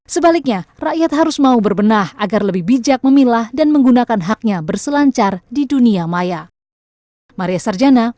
sebaliknya rakyat harus mau berbenah agar lebih bijak memilah dan menggunakan haknya berselancar di dunia maya